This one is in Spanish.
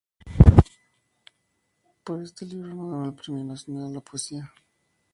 Por este libro ganó el Premio Nacional de Poesía.